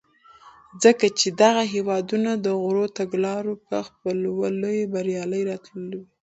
ځکه چې دغه هېوادونه د غوره تګلارو په خپلولو بریالي راوتلي.